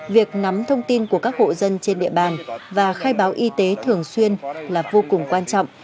việc nắm thông tin của các hộ dân trên địa bàn và khai báo y tế thường xuyên là vô cùng quan trọng